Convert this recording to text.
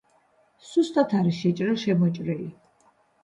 სუსტად არის შეჭრილ-შემოჭრილი.